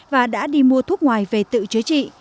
và đã đi mua thuốc ngoài về tự chứa chị